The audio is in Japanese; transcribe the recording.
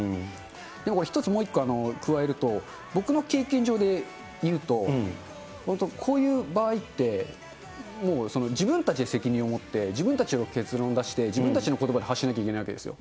でも１つもう１個加えると、僕の経験上でいうと、本当、こういう場合って、もう自分たちで責任を持って、自分たちで結論出して、自分たちのことばで発しなきゃいけないわけですよ。